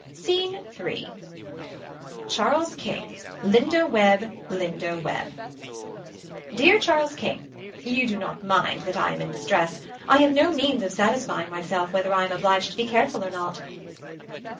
Scene 3. Charles King. Lindo Webb Lindo Webb. Dear Charles King. You do not mind that I am in distress. I have no means of satisfying myself whether I am obliged to be careful or not.